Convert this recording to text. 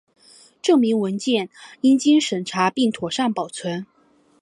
证明文件应经审查并妥善保存